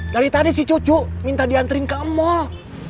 dari tadi si cucu minta dianterin ke emol